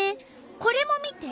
これも見て。